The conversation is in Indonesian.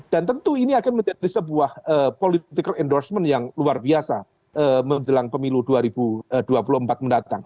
dan tentu ini akan menjadi sebuah political endorsement yang luar biasa menjelang pemilu dua ribu dua puluh empat mendatang